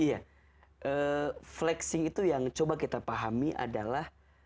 iya flexing itu yang coba kita pahami adalah